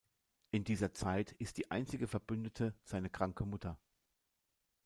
In dieser Zeit ist die einzige Verbündete seine kranke Mutter.